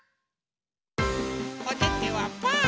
おててはパー。